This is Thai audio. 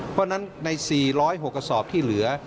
เพราะฉะนั้นใน๔๐๖กระสอบที่เหลือ